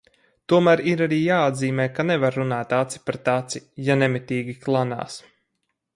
Tomēr ir arī jāatzīmē, ka nevar runāt aci pret aci, ja nemitīgi klanās.